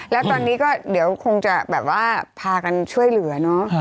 แล้วตอนนี้ก็เดี๋ยวคงจะพากันช่วยเหลือ